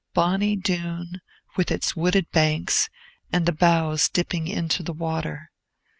Bonny Doon, with its wooded banks, and the boughs dipping into the water!